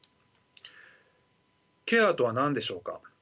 ケアとは何でしょうか。